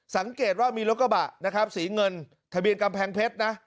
สังเกตว่ามีรถกระบะนะครับสีเงินทะเบียนกำแพงเพชรนะ